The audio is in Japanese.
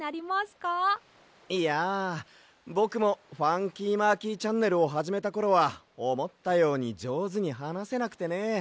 いやぼくも「ファンキーマーキーチャンネル」をはじめたころはおもったようにじょうずにはなせなくてね。